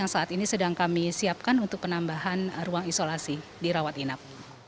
yang saat ini sedang kami siapkan untuk penambahan ruang isolasi di rawat inap